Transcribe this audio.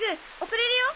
遅れるよ。